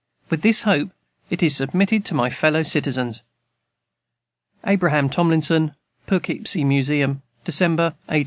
With this hope, it is submitted to my fellow citizens. ABRAHAM TOMLINSON. POUGHKEEPSIE MUSEUM, December, 1854.